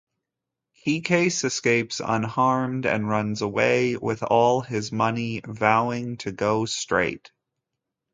Keycase escapes unharmed and runs away with all his money, vowing to go straight.